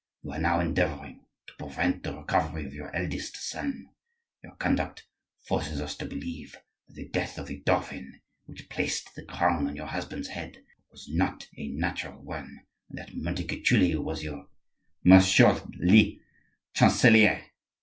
You are now endeavoring to prevent the recovery of your eldest son. Your conduct forces us to believe that the death of the dauphin, which placed the crown on your husband's head was not a natural one, and that Montecuculi was your—" "Monsieur le chancilier!"